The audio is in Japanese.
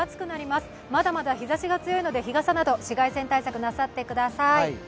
まだまだ日ざしが強いので日傘など紫外線対策なさってください。